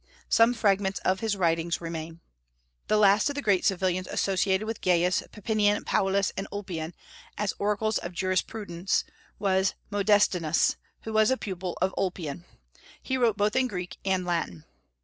Some fragments of his writings remain. The last of the great civilians associated with Gaius, Papinian, Paulus, and Ulpian, as oracles of jurisprudence, was Modestinus, who was a pupil of Ulpian. He wrote both in Greek and Latin.